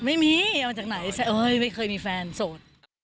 ไม่มีเอาจากไหนที่ซั่นเอ้ยไม่เคยมีแฟนโสด